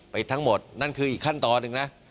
ไปทั้งหมดนั่นคืออีกขั้นตอนหนึ่งนะ